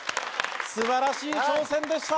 素晴らしい挑戦でした！